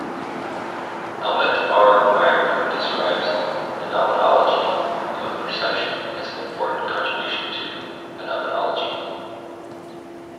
Helmut R. Wagner describes "Phenomenology of Perception" as an important contribution to phenomenology.